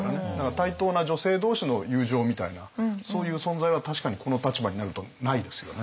対等な女性どうしの友情みたいなそういう存在は確かにこの立場になるとないですよね。